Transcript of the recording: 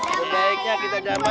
sebaiknya kita damai